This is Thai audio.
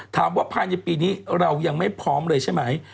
ถามว่าภายในปีนี้เรายังไม่พร้อมเลยใช่ไหม